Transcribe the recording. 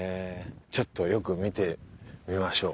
ちょっとよく見てみましょう。